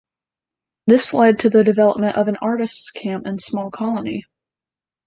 This led to the development of an artists camp and small colony.